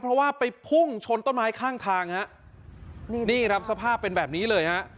เพราะว่าไปพุ่งชนต้นไม้ข้างทางฮะนี่นี่ครับสภาพเป็นแบบนี้เลยฮะ